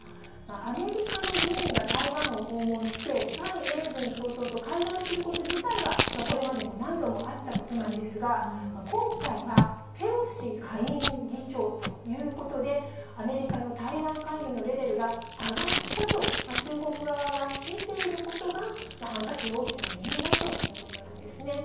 アメリカの議員が台湾を訪問して、蔡英文総統と会談すること自体は、これまでも何度もあったことなんですが、今回はペロシ下院議長ということで、アメリカの台湾関与のレベルが上がったと、中国側が見ていることが反発の大きな理由だということなんですね。